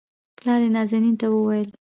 پلار يې نازنين ته وويل